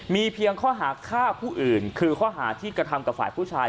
มีเพียงข้อหาฆ่าผู้อื่นคือข้อหาที่กระทำกับฝ่ายผู้ชาย